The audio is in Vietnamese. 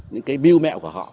những cái biêu mẹo của họ